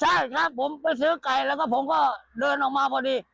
ใช่ครับผมไปซื้อไก่แล้วก็ผมก็เดินออกมาพอดี